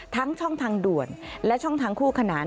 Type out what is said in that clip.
ช่องทางด่วนและช่องทางคู่ขนาน